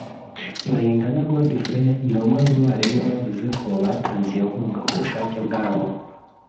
Bayingana Godfrey ni umwe mu barimu wavuze ko batanze iyo nkunga ku bushake bwabo